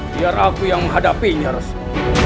biar aku yang menghadapinya rasul